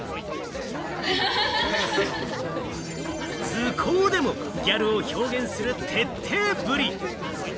図工でもギャルを表現する徹底ぶり。